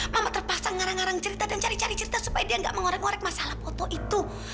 mama terpasang ngarang ngarang cerita dan cari cari cerita supaya dia nggak mengorek ngorek masalah foto itu